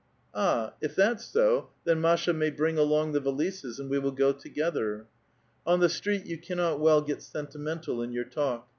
" Ah ! if that's so, then Masha may bring along the valises, and we will go together." On the street you cannot well get sentimental in your talk.